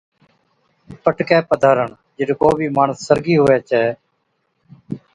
پٽڪَي پڌارڻ، جِڏ ڪو بِي ماڻس سرگِي ھُوَي ڇَي